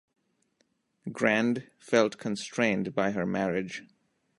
Grand felt constrained by her marriage.